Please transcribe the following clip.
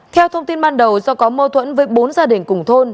theo thông tin ban đầu do có mâu thuẫn với bốn gia đình cùng thôn